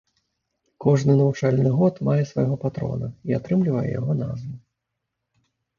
Кожны навучальны год мае свайго патрона і атрымлівае яго назву.